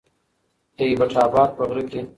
د ايبټ اباد په غره کې